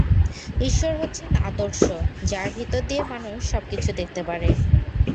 ঈশ্বর হচ্ছেন আদর্শ, যাঁর ভিতর দিয়ে মানুষ সব কিছু দেখতে পারে।